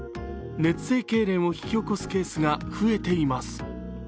熱性けいれんを引き起こすケースが増えています。